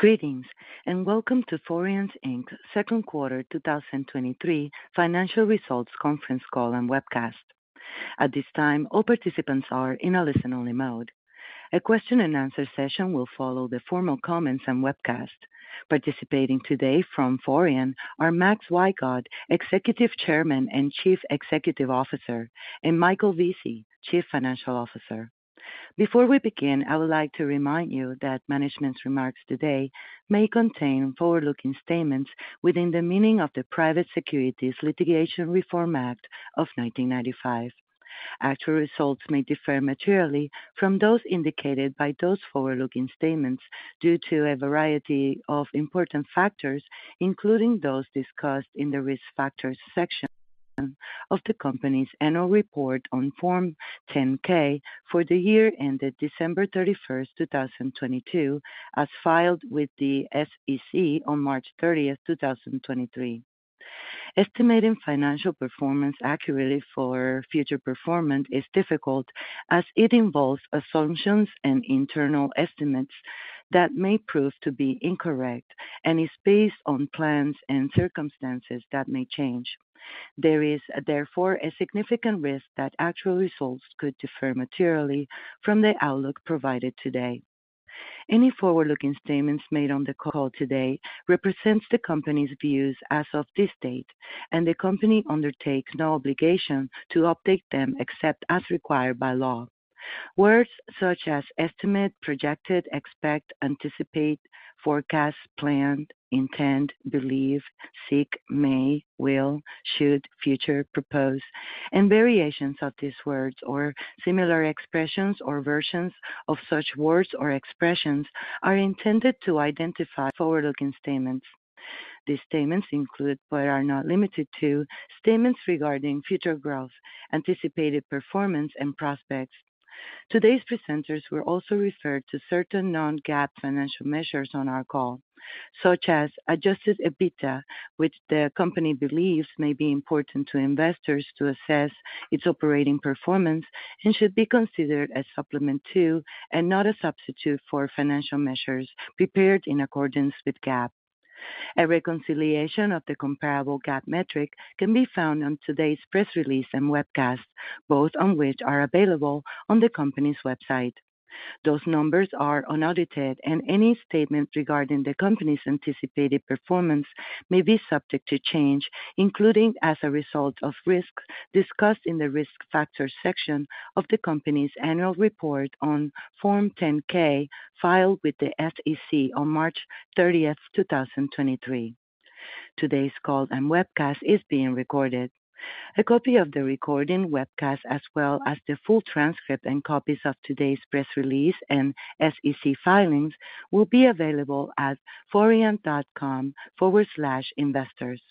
Greetings, and welcome to Forian, Inc.'s 2nd quarter 2023 financial results conference call and webcast. At this time, all participants are in a listen-only mode. A Q&A session will follow the formal comments and webcast. Participating today from Forian are Max Wygod, Executive Chairman and Chief Executive Officer, and Michael Vesey, Chief Financial Officer. Before we begin, I would like to remind you that management's remarks today may contain forward-looking statements within the meaning of the Private Securities Litigation Reform Act of 1995. Actual results may differ materially from those indicated by those forward-looking statements due to a variety of important factors, including those discussed in the Risk Factors section of the company's annual report on Form 10-K for the year ended December 31st, 2022, as filed with the SEC on March 30th, 2023. Estimating financial performance accurately for future performance is difficult, as it involves assumptions and internal estimates that may prove to be incorrect and is based on plans and circumstances that may change. There is, therefore, a significant risk that actual results could differ materially from the outlook provided today. Any forward-looking statements made on the call today represents the company's views as of this date, and the company undertakes no obligation to update them except as required by law. Words such as estimate, projected, expect, anticipate, forecast, plan, intend, believe, seek, may, will, should, future, propose, and variations of these words or similar expressions or versions of such words or expressions are intended to identify forward-looking statements. These statements include, but are not limited to, statements regarding future growth, anticipated performance, and prospects. Today's presenters will also refer to certain non-GAAP financial measures on our call, such as adjusted EBITDA, which the company believes may be important to investors to assess its operating performance and should be considered as supplement to, and not a substitute for, financial measures prepared in accordance with GAAP. A reconciliation of the comparable GAAP metric can be found on today's press release and webcast, both on which are available on the company's website. Those numbers are unaudited, and any statements regarding the company's anticipated performance may be subject to change, including as a result of risks discussed in the Risk Factors section of the company's annual report on Form 10-K, filed with the SEC on March 30, 2023. Today's call and webcast is being recorded. A copy of the recording webcast, as well as the full transcript and copies of today's press release and SEC filings, will be available at forian.com/investors.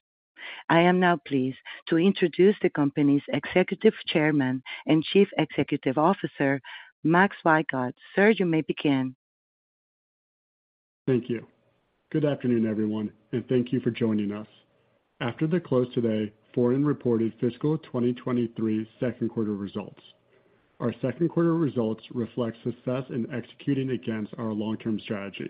I am now pleased to introduce the company's Executive Chairman and Chief Executive Officer, Max Wygod. Sir, you may begin. Thank you. Good afternoon, everyone, and thank you for joining us. After the close today, Forian reported fiscal 2023 Q2 results. Our Q2 results reflect success in executing against our long-term strategy.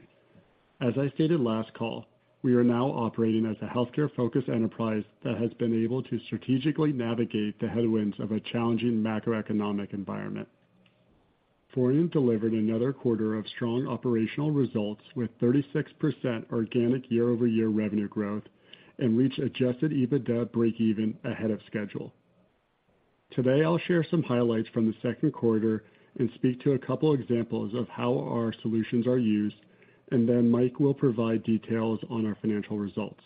As I stated last call, we are now operating as a healthcare-focused enterprise that has been able to strategically navigate the headwinds of a challenging macroeconomic environment. Forian delivered another quarter of strong operational results with 36% organic year-over-year revenue growth and reached adjusted EBITDA breakeven ahead of schedule. Today, I'll share some highlights from the Q2 and speak to a couple examples of how our solutions are used, and then Mike will provide details on our financial results.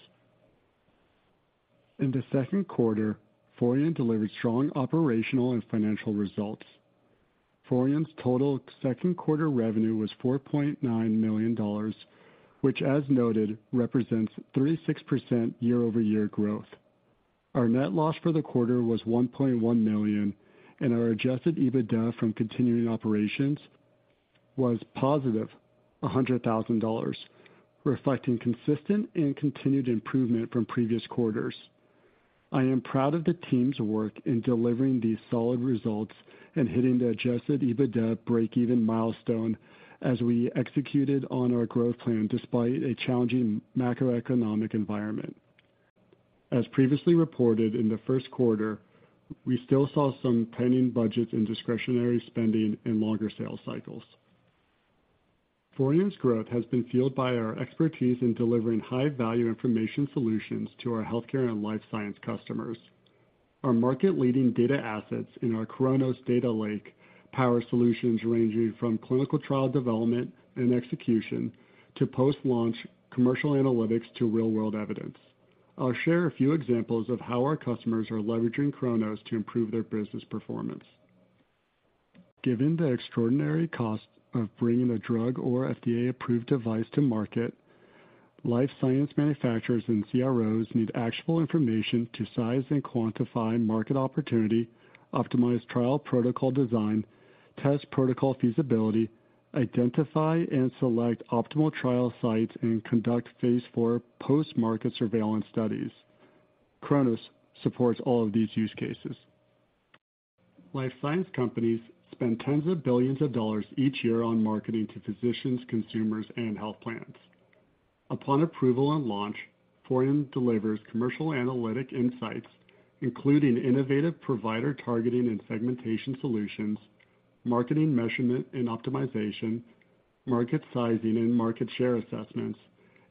In the Q2, Forian delivered strong operational and financial results. Forian's total Q2 revenue was $4.9 million, which, as noted, represents 36% year-over-year growth. Our net loss for the quarter was $1.1 million, and our adjusted EBITDA from continuing operations was positive $100,000, reflecting consistent and continued improvement from previous quarters. I am proud of the team's work in delivering these solid results and hitting the adjusted EBITDA breakeven milestone as we executed on our growth plan despite a challenging macroeconomic environment. As previously reported in the Q1, we still saw some pending budgets in discretionary spending and longer sales cycles. Forian's growth has been fueled by our expertise in delivering high-value information solutions to our healthcare and life science customers. Our market-leading data assets in our CHRONOS data lake power solutions ranging from clinical trial development and execution to post-launch commercial analytics to real-world evidence. I'll share a few examples of how our customers are leveraging CHRONOS to improve their business performance. Given the extraordinary cost of bringing a drug or FDA-approved device to market, life science manufacturers and CROs need actual information to size and quantify market opportunity, optimize trial protocol design, test protocol feasibility, identify and select optimal trial sites, and conduct Phase IV post-market surveillance studies. CHRONOS supports all of these use cases.... Life science companies spend tens of billions of dollars each year on marketing to physicians, consumers, and health plans. Upon approval and launch, Forian delivers commercial analytic insights, including innovative provider targeting and segmentation solutions, marketing measurement and optimization, market sizing and market share assessments,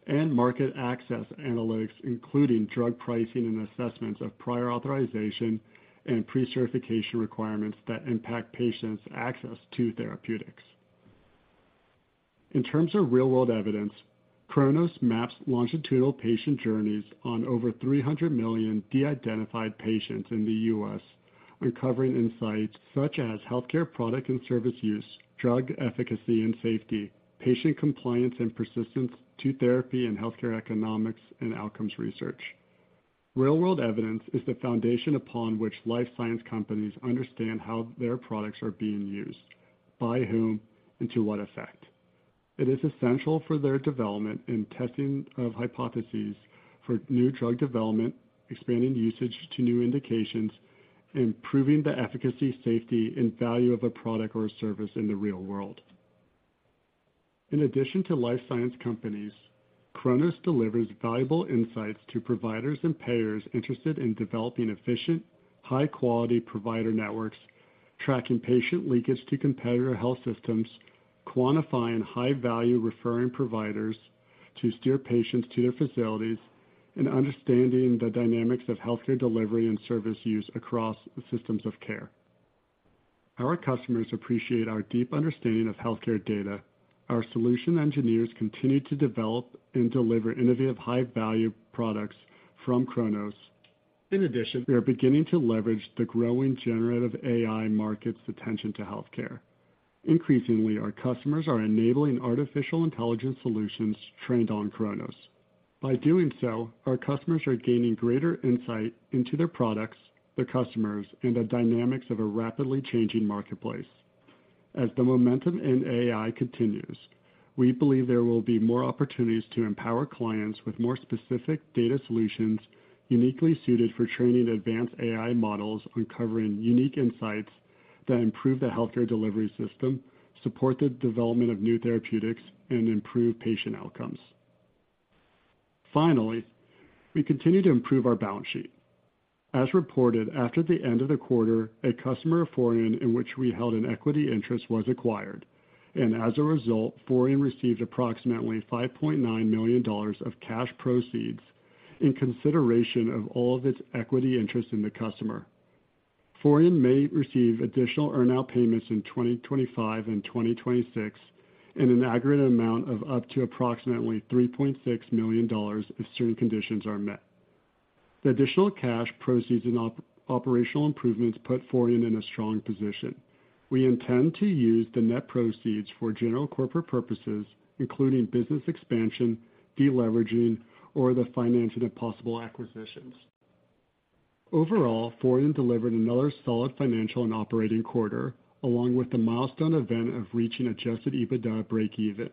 and market access analytics, including drug pricing and assessments of prior authorization and pre-certification requirements that impact patients' access to therapeutics. In terms of real-world evidence, CHRONOS maps longitudinal patient journeys on over 300 million de-identified patients in the US, uncovering insights such as: healthcare product and service use, drug efficacy and safety, patient compliance and persistence to therapy, and healthcare economics and outcomes research. Real-world evidence is the foundation upon which life science companies understand how their products are being used, by whom, and to what effect. It is essential for their development and testing of hypotheses for new drug development, expanding usage to new indications, and improving the efficacy, safety, and value of a product or a service in the real world. In addition to life science companies, CHRONOS delivers valuable insights to providers and payers interested in developing efficient, high-quality provider networks, tracking patient linkage to competitor health systems, quantifying high-value referring providers to steer patients to their facilities, and understanding the dynamics of healthcare delivery and service use across systems of care. Our customers appreciate our deep understanding of healthcare data. Our solution engineers continue to develop and deliver innovative, high-value products from CHRONOS. In addition, we are beginning to leverage the growing generative AI market's attention to healthcare. Increasingly, our customers are enabling artificial intelligence solutions trained on CHRONOS. By doing so, our customers are gaining greater insight into their products, their customers, and the dynamics of a rapidly changing marketplace. As the momentum in AI continues, we believe there will be more opportunities to empower clients with more specific data solutions, uniquely suited for training advanced AI models, uncovering unique insights that improve the healthcare delivery system, support the development of new therapeutics, and improve patient outcomes. Finally, we continue to improve our balance sheet. As reported, after the end of the quarter, a customer of Forian, in which we held an equity interest, was acquired. As a result, Forian received approximately $5.9 million of cash proceeds in consideration of all of its equity interest in the customer. Forian may receive additional earn-out payments in 2025 and 2026 in an aggregate amount of up to approximately $3.6 million if certain conditions are met. The additional cash proceeds and operational improvements put Forian in a strong position. We intend to use the net proceeds for general corporate purposes, including business expansion, deleveraging, or the financing of possible acquisitions. Overall, Forian delivered another solid financial and operating quarter, along with the milestone event of reaching adjusted EBITDA breakeven.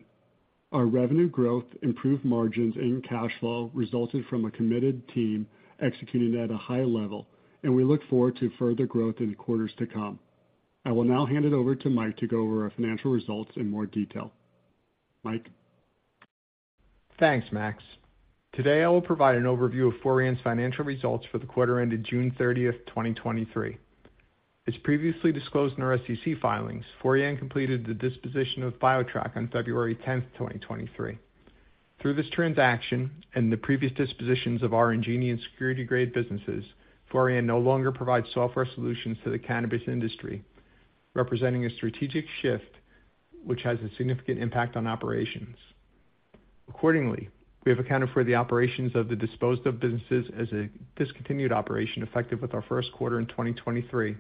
Our revenue growth, improved margins, and cash flow resulted from a committed team executing at a high level, and we look forward to further growth in quarters to come. I will now hand it over to Mike to go over our financial results in more detail. Mike? Thanks, Max. Today, I will provide an overview of Forian's financial results for the quarter ended June 30, 2023. As previously disclosed in our SEC filings, Forian completed the disposition of BioTrack on February 10, 2023. Through this transaction and the previous dispositions of our Ingenio and SecurityGrade businesses, Forian no longer provides software solutions to the cannabis industry, representing a strategic shift which has a significant impact on operations. Accordingly, we have accounted for the operations of the disposed-of businesses as a discontinued operation, effective with our Q1 in 2023,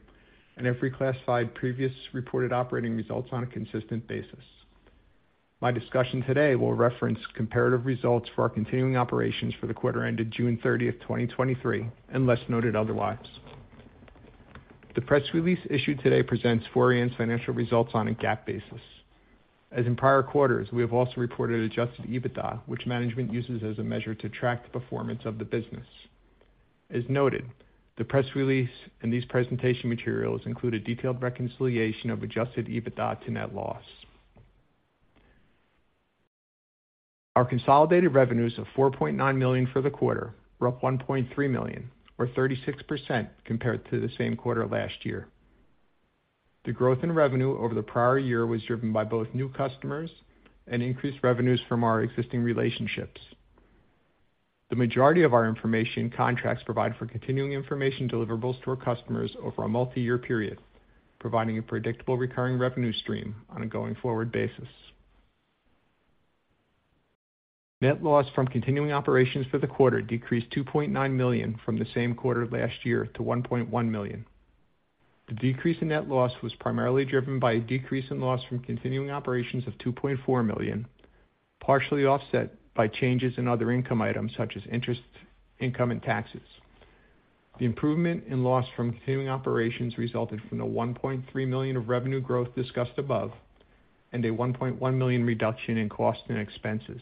and have reclassified previous reported operating results on a consistent basis. My discussion today will reference comparative results for our continuing operations for the quarter ended June 30, 2023, unless noted otherwise. The press release issued today presents Forian's financial results on a GAAP basis. As in prior quarters, we have also reported adjusted EBITDA, which management uses as a measure to track the performance of the business. As noted, the press release and these presentation materials include a detailed reconciliation of adjusted EBITDA to net loss. Our consolidated revenues of $4.9 million for the quarter were up $1.3 million, or 36% compared to the same quarter last year. The growth in revenue over the prior year was driven by both new customers and increased revenues from our existing relationships. The majority of our information contracts provide for continuing information deliverables to our customers over a multiyear period, providing a predictable recurring revenue stream on a going-forward basis. Net loss from continuing operations for the quarter decreased $2.9 million from the same quarter last year to $1.1 million. The decrease in net loss was primarily driven by a decrease in loss from continuing operations of $2.4 million, partially offset by changes in other income items such as interest, income, and taxes. The improvement in loss from continuing operations resulted from the $1.3 million of revenue growth discussed above and a $1.1 million reduction in costs and expenses.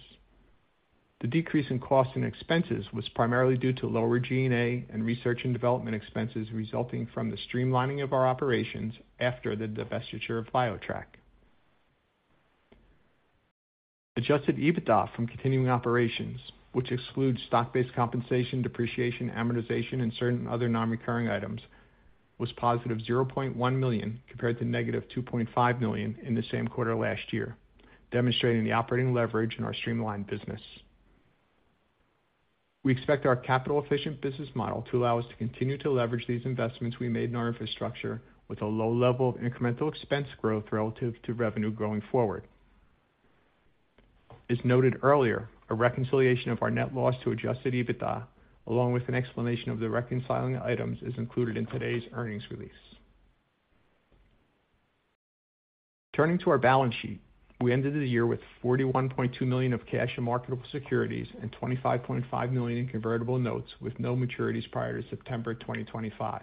The decrease in costs and expenses was primarily due to lower G&A and research and development expenses resulting from the streamlining of our operations after the divestiture of BioTrack. adjusted EBITDA from continuing operations, which excludes stock-based compensation, depreciation, amortization, and certain other non-recurring items, was +$0.1 million compared to -$2.5 million in the same quarter last year, demonstrating the operating leverage in our streamlined business. We expect our capital-efficient business model to allow us to continue to leverage these investments we made in our infrastructure with a low level of incremental expense growth relative to revenue going forward. As noted earlier, a reconciliation of our net loss to adjusted EBITDA, along with an explanation of the reconciling items, is included in today's earnings release. Turning to our balance sheet, we ended the year with $41.2 million of cash and marketable securities and $25.5 million in convertible notes, with no maturities prior to September 2025.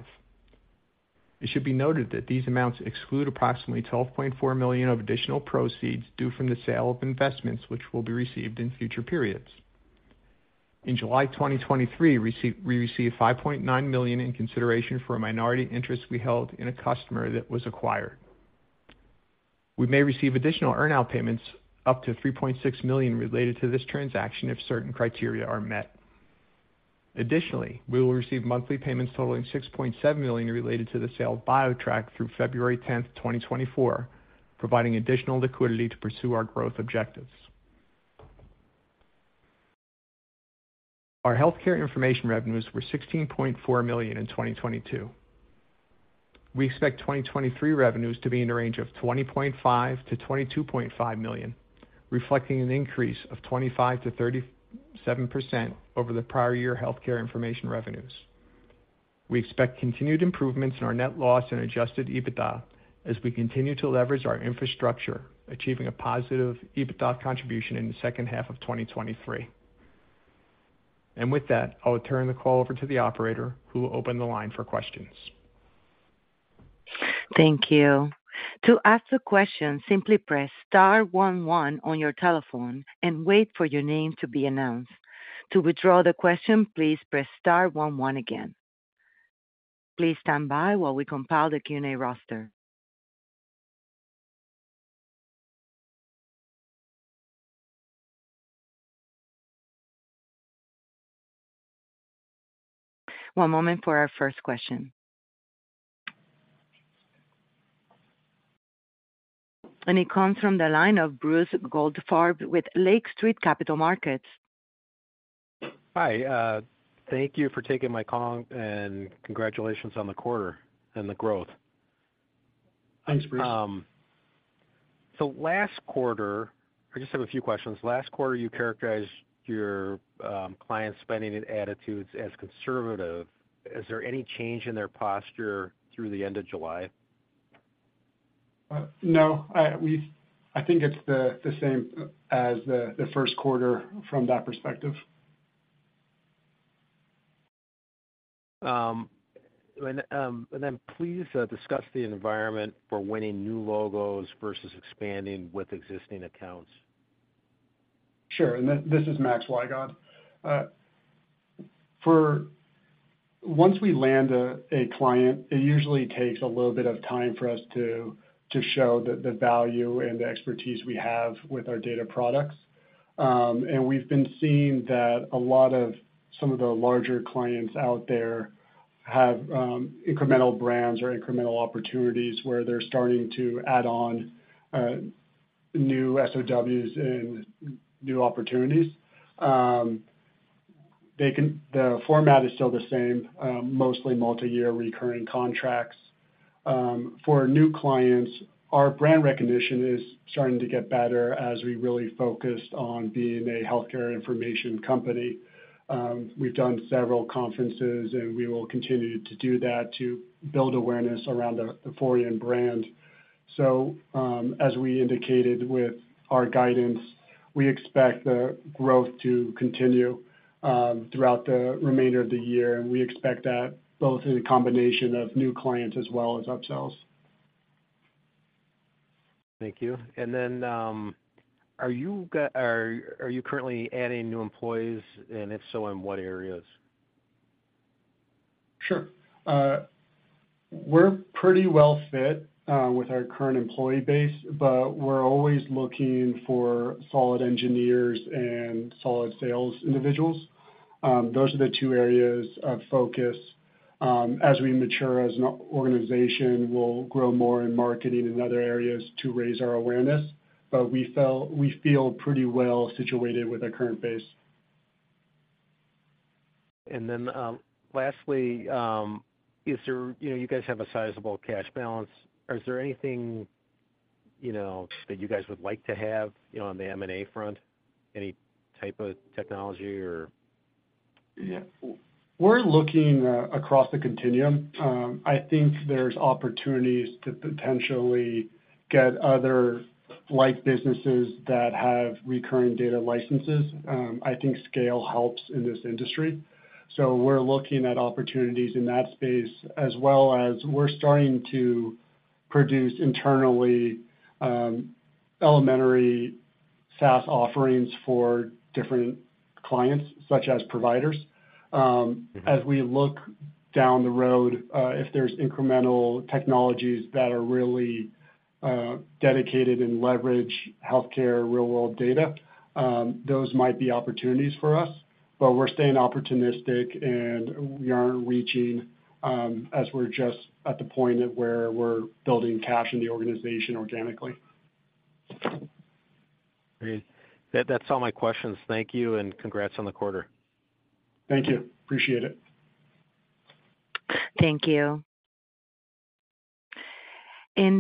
It should be noted that these amounts exclude approximately $12.4 million of additional proceeds due from the sale of investments, which will be received in future periods. In July 2023, we received $5.9 million in consideration for a minority interest we held in a customer that was acquired. We may receive additional earn-out payments up to $3.6 million related to this transaction if certain criteria are met. We will receive monthly payments totaling $6.7 million related to the sale of BioTrack through February 10, 2024, providing additional liquidity to pursue our growth objectives. Our healthcare information revenues were $16.4 million in 2022. We expect 2023 revenues to be in the range of $20.5 million-$22.5 million, reflecting an increase of 25%-37% over the prior year healthcare information revenues. We expect continued improvements in our net loss and adjusted EBITDA as we continue to leverage our infrastructure, achieving a positive EBITDA contribution in the H2 of 2023. With that, I will turn the call over to the operator, who will open the line for questions. Thank you. To ask a question, simply press star 11 on your telephone and wait for your name to be announced. To withdraw the question, please press star 11 again. Please stand by while we compile the Q&A roster. One moment for our first question. It comes from the line of Bruce Goldfarb with Lake Street Capital Markets. Hi, thank you for taking my call, and congratulations on the quarter and the growth. Thanks, Bruce. I just have a few questions. Last quarter, you characterized your client spending and attitudes as conservative. Is there any change in their posture through the end of July? No. I think it's the same as the Q1 from that perspective. Please discuss the environment for winning new logos versus expanding with existing accounts. Sure. This is Max Wygod. Once we land a client, it usually takes a little bit of time for us to show the value and the expertise we have with our data products. We've been seeing that a lot of some of the larger clients out there have incremental brands or incremental opportunities where they're starting to add on new SOWs and new opportunities. The format is still the same, mostly multiyear recurring contracts. For new clients, our brand recognition is starting to get better as we really focus on being a healthcare information company. We've done several conferences, we will continue to do that to build awareness around the Forian brand. As we indicated with our guidance, we expect the growth to continue throughout the remainder of the year, and we expect that both in a combination of new clients as well as upsells. Thank you. Are you currently adding new employees, and if so, in what areas? Sure. We're pretty well fit with our current employee base, but we're always looking for solid engineers and solid sales individuals. Those are the 2 areas of focus. As we mature as an organization, we'll grow more in marketing and other areas to raise our awareness, but we feel pretty well situated with our current base. Then, lastly, you know, you guys have a sizable cash balance. Is there anything, you know, that you guys would like to have, you know, on the M&A front? Any type of technology or? Yeah. W- We're looking across the continuum. I think there's opportunities to potentially get other like businesses that have recurring data licenses. I think scale helps in this industry. We're looking at opportunities in that space as well as we're starting to produce internally, elementary SaaS offerings for different clients, such as providers. As we look down the road, if there's incremental technologies that are really dedicated and leverage healthcare real-world data, those might be opportunities for us. We're staying opportunistic, and we aren't reaching, as we're just at the point of where we're building cash in the organization organically. Great. That's all my questions. Thank you. Congrats on the quarter. Thank you. Appreciate it. Thank you.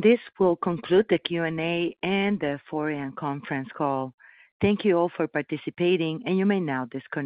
This will conclude the Q&A and the Forian conference call. Thank you all for participating, and you may now disconnect.